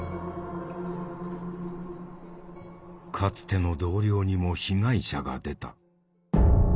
かつての同僚にも被害者が出た。